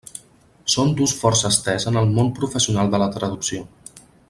Són d'ús força estès en el món professional de la traducció.